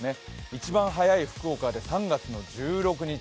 一番早い福岡で３月１６日。